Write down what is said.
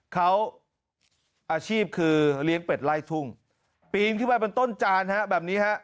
เขาอาชีพคือเลี้ยงเป็ดไล่ทุ่งปีนขึ้นไปบนต้นจานฮะแบบนี้ฮะ